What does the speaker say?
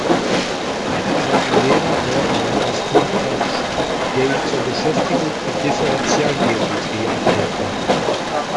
Einer seiner Lehrer dort war Gaspard Monge, der ihn zur Beschäftigung mit Differentialgeometrie anregte.